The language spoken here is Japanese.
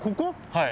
はい。